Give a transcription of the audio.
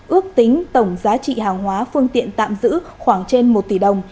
ước tính tổng giá trị hàng hóa phương tiện tạm giữ khoảng trên một tỷ đồng